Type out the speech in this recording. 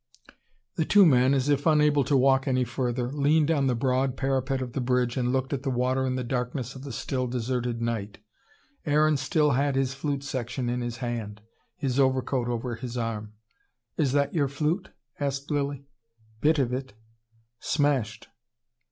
The two men, as if unable to walk any further, leaned on the broad parapet of the bridge and looked at the water in the darkness of the still, deserted night. Aaron still had his flute section in his hand, his overcoat over his arm. "Is that your flute?" asked Lilly. "Bit of it. Smashed."